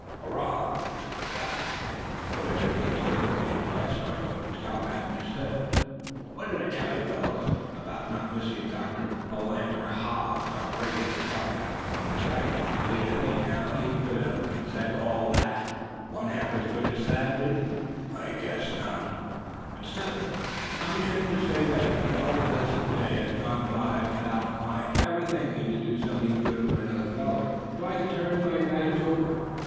"Hurrah!" said Giraffe, who had been considerably impressed by what the scoutmaster had said. "What did I tell you, fellows, about not missing Dr. Philander Hobbs, our regular scoutmaster, on this hike? D'ye think now, he could have said all that one half as good as Thad did? I guess not. And Step Hen, I'm ashamed to say that the whole blessed day has gone by without my ever thinking to do something good for another feller, so I could turn my badge over.